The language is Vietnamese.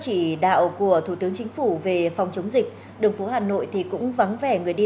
chỉ đạo của thủ tướng chính phủ về phòng chống dịch đường phố hà nội thì cũng vắng vẻ người đi